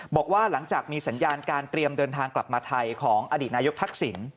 บอกว่าหลังจากมีสัญญาณการเตรียมเดินทางกลับมาไทยของอดีตนายกทักษิณ